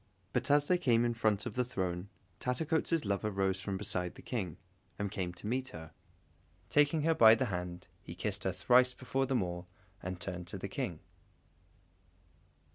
But as they came in front of the throne, Tattercoats' lover rose from beside the King, and came to meet her. Taking her by the hand, he kissed her thrice before them all, and turned to the King.